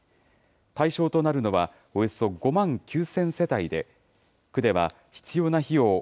対象となるのは、およそ５万９０００世帯で、区では必要な費用